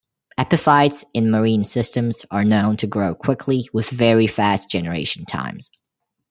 Epiphytes in marine systems are known to grow quickly with very fast generation times.